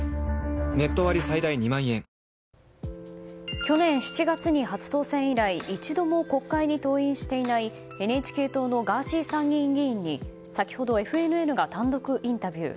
去年７月に初当選以来一度も国会に登院していないＮＨＫ党のガーシー参議院議員に先ほど、ＦＮＮが単独インタビュー。